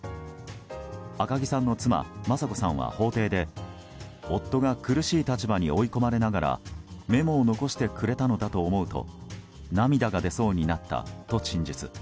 赤木さんの妻・雅子さんは法廷で夫が苦しい立場に追い込まれながらメモを残してくれたのだと思うと涙が出そうになったと陳述。